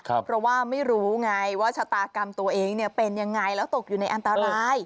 เพราะว่าไม่รู้ไงว่าชะตากรรมตัวเองเป็นยังไงแล้วตกอยู่ในอันตราย